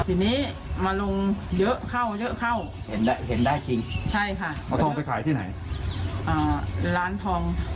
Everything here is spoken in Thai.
ทีนี้มาลงเยอะเข้าเยอะเข้าเห็นได้เห็นได้จริงใช่ค่ะเอาทองไปขายที่ไหนร้านทอง